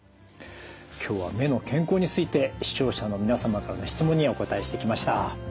今日は目の健康について視聴者の皆様からの質問にお答えしてきました。